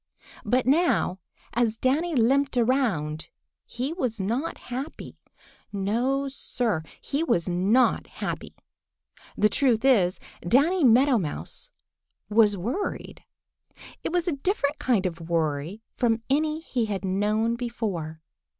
But now, as Danny limped around, he was not happy. No, Sir, he was not happy. The truth is, Danny Meadow Mouse was worried. It was a different kind of worry from any he had known before.